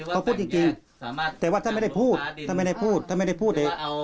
เขาพูดจริงแต่ว่าท่านไม่ได้พูดท่านไม่ได้พูดท่านไม่ได้พูดเลย